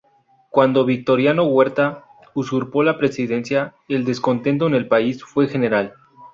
Cuando Victoriano Huerta usurpó la presidencia, el descontento en el país fue general.